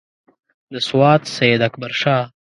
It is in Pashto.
د سوات سیداکبرشاه.